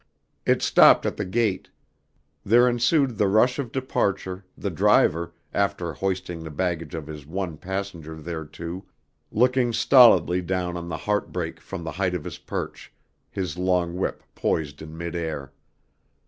It stopped at the gate. There ensued the rush of departure, the driver, after hoisting the baggage of his one passenger thereto, looking stolidly down on the heartbreak from the height of his perch, his long whip poised in midair.